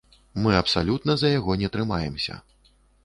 Мы абсалютна за яго не трымаемся.